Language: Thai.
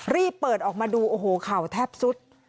รีบเปิดออกมาดูข่าวแทบซุด